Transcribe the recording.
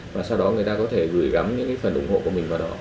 và sau đó người ta có thể gửi gắm những cái phần ủng hộ của mình vào đó